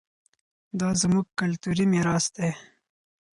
دا زموږ کلتوري ميراث دی.